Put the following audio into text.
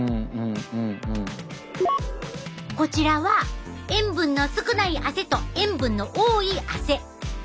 こちらは塩分の少ない汗と塩分の多い汗。